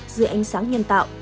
giữa ánh sáng nhân tạo